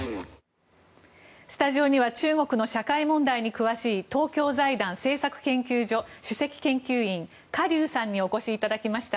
スタジオには中国の社会問題に詳しい東京財団政策研究所主席研究員カ・リュウさんにお越しいただきました。